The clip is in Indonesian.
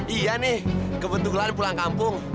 iya nih kebetulan pulang kampung